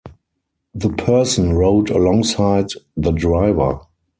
The person rode alongside the driver.